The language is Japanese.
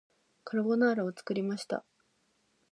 カルボナーラを作りました